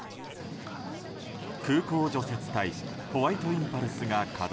空港除雪隊ホワイトインパルスが稼働。